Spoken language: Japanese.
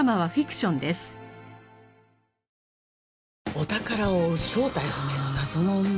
お宝を追う正体不明の謎の女？